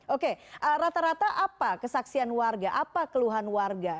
oke rata rata apa kesaksian warga apa keluhan warga